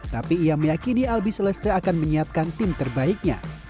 tapi ia meyakini albi celeste akan menyiapkan tim terbaiknya